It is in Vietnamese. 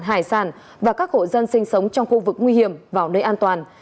hải sản và các hộ dân sinh sống trong khu vực nguy hiểm vào nơi an toàn